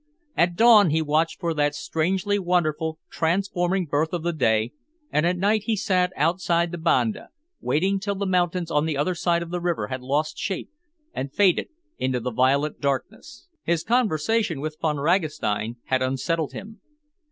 At dawn he watched for that strangely wonderful, transforming birth of the day, and at night he sat outside the banda, waiting till the mountains on the other side of the river had lost shape and faded into the violet darkness. His conversation with Von Ragastein had unsettled him.